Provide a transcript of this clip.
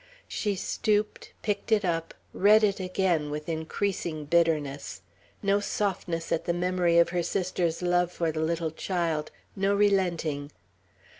She stooped, picked it up, read it again, with increasing bitterness. No softness at the memory of her sister's love for the little child; no relenting.